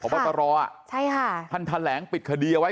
เพราะบัตรรอ่ะใช่ค่ะท่านแถลงปิดคดีเอาไว้